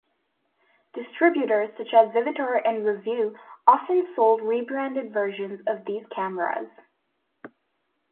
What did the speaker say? Distributors such as Vivitar and Revue often sold rebranded versions of these cameras.